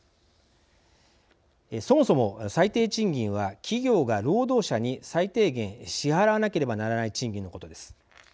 そもそも最低賃金は企業が労働者に最低限、支払わなければならない賃金のことです。